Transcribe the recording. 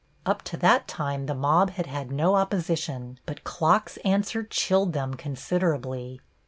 Up to that time the mob had had no opposition, but Klock's answer chilled them considerably.